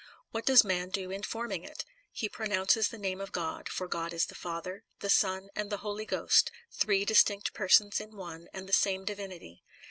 What does man do in forming it? He pro nounces the name of God, for God is the Father, the Son, and the Holy Ghost, three distinct Persons in one and the same Divin ity.